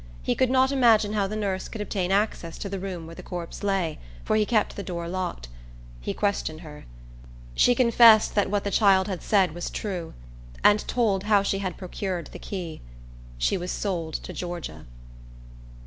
He could not imagine how the nurse could obtain access to the room where the corpse lay; for he kept the door locked. He questioned her. She confessed that what the child had said was true, and told how she had procured the key. She was sold to Georgia.